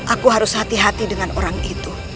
aku harus hati hati dengan orang itu